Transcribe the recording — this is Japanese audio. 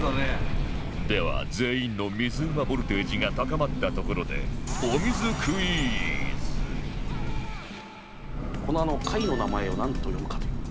では全員の水うまボルテージが高まったところでこの貝の名前をなんと読むかという。